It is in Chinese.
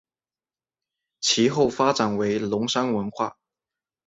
其后发展为龙山文化。